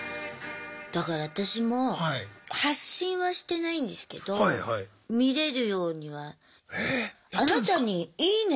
だから私も発信はしてないんですけど見れるようには。えやってんですか？